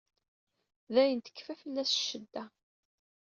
Dayen tekkfa fell-as ccedda.